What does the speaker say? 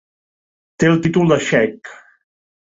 Té el títol de xeic.